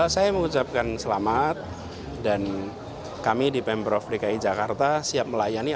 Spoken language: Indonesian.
saya mengucapkan selamat dan kami di pemprov dki jakarta siap melayani